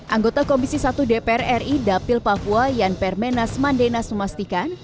anggota komisi satu dpr ri dapil papua yan permenas mandenas memastikan